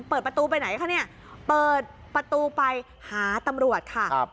เปิดประตูไปไหนคะเนี่ยเปิดประตูไปหาตำรวจค่ะ